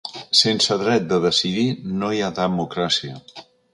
Sense dret de decidir no hi ha democràcia.